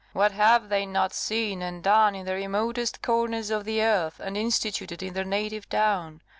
What have they not seen and done in the remotest corners of the earth, and instituted in their native town!